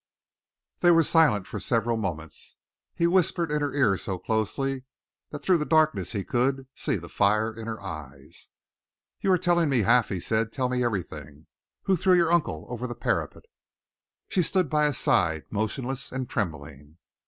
They were silent for several moments. He whispered in her ear so closely that through the darkness he could, see the fire in her eyes. "You are telling me half," he said. "Tell me everything. Who threw your uncle over the parapet?" She stood by his side, motionless and trembling.